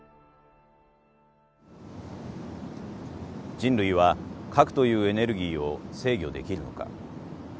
人類は核というエネルギーを制御できるのか。